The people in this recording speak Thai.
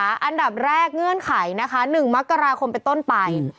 อันดับแรกเงื่อนไขนะคะ๑มกราคมเป็นต้นไป